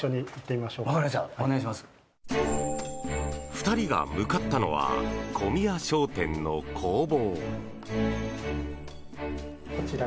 ２人が向かったのは小宮商店の工房。